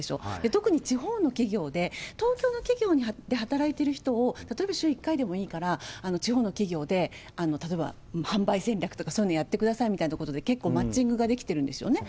特に地方の企業で東京の企業で働いてる人を、例えば週１回でもいいから、地方の企業で、例えば販売戦略とかそういうのやってくださいみたいなことで結構マッチングができてるんですよね。